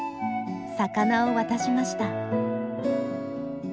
魚を渡しました。